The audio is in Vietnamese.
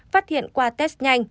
phát hiện qua test nhanh